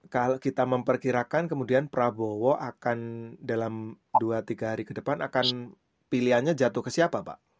kalau kita memperkirakan kemudian prabowo akan dalam dua tiga hari ke depan akan pilihannya jatuh ke siapa pak